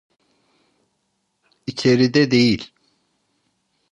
İçeride değil.